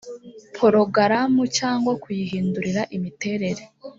porogaramu cyangwa kuyihindurira imiterere